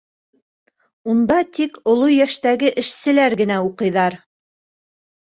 Унда тик оло йәштәге эшселәр генә уҡыйҙар.